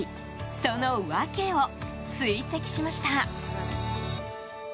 その訳を追跡しました。